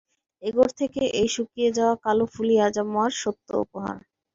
এ ঘর থেকে এই শুকিয়ে-যাওয়া কালো ফুলই আজ আমার সত্য উপহার।